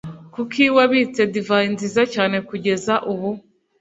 Kuki wabitse divayi nziza cyane kugeza ubu?